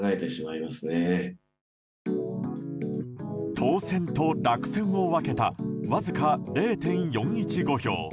当選と落選を分けたわずか０．４１５票。